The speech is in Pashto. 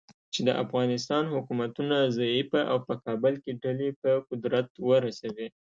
چې د افغانستان حکومتونه ضعیفه او په کابل کې ډلې په قدرت ورسوي.